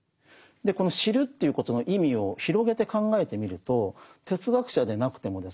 この知るっていうことの意味を広げて考えてみると哲学者でなくてもですね